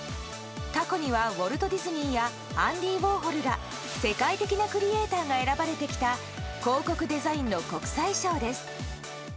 過去にはウォルト・ディズニーやアンディ・ウォーホルら世界的なクリエーターが選ばれてきた広告デザインの国際賞です。